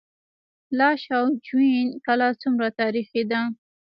لاش او جوین کلا څومره تاریخي ده؟